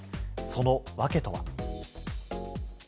その訳とは。